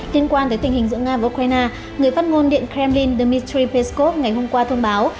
liên quan tới tình hình giữa nga và ukraine người phát ngôn điện kremlin dmitry peskov ngày hôm qua thông báo